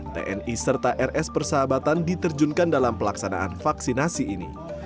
tni serta rs persahabatan diterjunkan dalam pelaksanaan vaksinasi ini